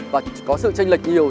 và có sự tranh lệch nhiều